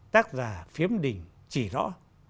tác giả phiếm đình chỉ rõ